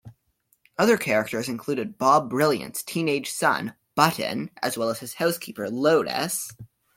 Other characters included Bob Brilliant's teenage son, Button, as well as his housekeeper, Lotus.